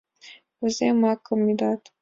Кузе макым ӱдат?